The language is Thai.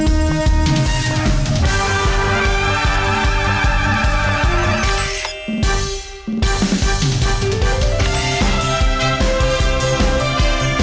แม่บ้านพระจำบาล